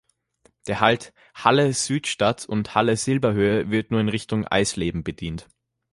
Der Halt Halle-Südstadt und Halle-Silberhöhe wird nur in Richtung Eisleben bedient.